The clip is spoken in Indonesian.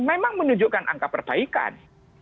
memang menunjukkan angka perbaikan